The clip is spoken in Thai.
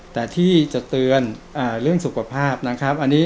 แต่ที่จะเตือนเรื่องสุขภาพนะครับ